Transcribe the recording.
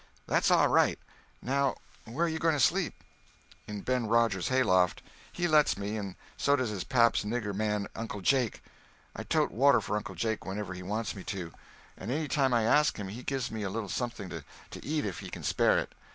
"That's all right. Now, where you going to sleep?" "In Ben Rogers' hayloft. He lets me, and so does his pap's nigger man, Uncle Jake. I tote water for Uncle Jake whenever he wants me to, and any time I ask him he gives me a little something to eat if he can spare it.